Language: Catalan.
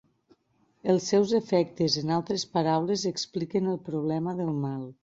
Els seus efectes, en altres paraules, expliquen el problema del mal.